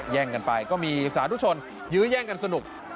แย่งกันไปก็มีสาธุชนยื้อแย่งกันสนุก